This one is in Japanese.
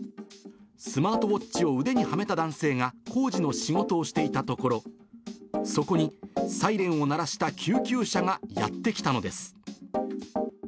スマートウォッチを腕にはめた男性が工事の仕事をしていたところ、そこにサイレンを鳴らした救急車がやって来たのです。